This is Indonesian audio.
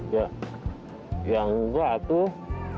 ya yang enggak tuh